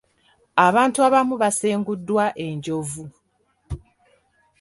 Abantu abamu basenguddwa enjovu.